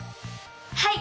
はい！